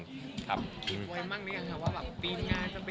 สีแดงของคุณพูดล่ะครับ